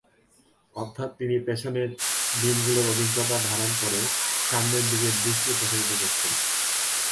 অর্থাৎ তিনি পেছনের দিনগুলোর অভিজ্ঞতা ধারণ করে সামনের দিকে দৃষ্টি প্রসারিত করছেন।